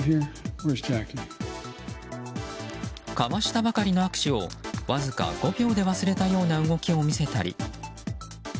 交わしたばかりの握手をわずか５秒で忘れたような動きを見せたり。